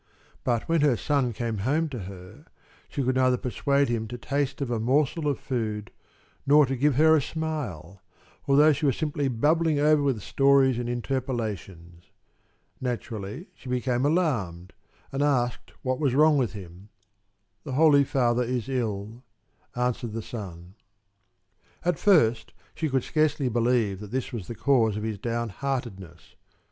But when her son came home to her, she could neither persuade him to taste of a morsel of food nor to give her a smile, although she was simply bubbling over with stories and interpolations. Naturally she became alarmed and asked what was wrong with him. "The Holy Father is ill," answered the son. At first she could scarcely believe that this was the cause of his downheartedness.